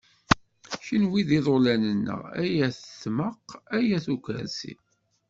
Kunwi d iḍulan-nneɣ, ay at tmaq, ay at ukerzi.